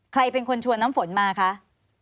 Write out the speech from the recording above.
ใครเป็นคนชวนน้ำฝนมาคะ